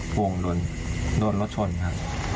พวงโดนรถชนครับ